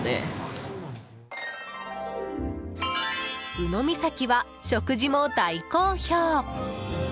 鵜の岬は食事も大好評。